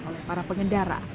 oleh para pengendara